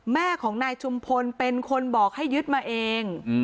แม่ของนายชุมพลเป็นคนบอกให้ยึดมาเอง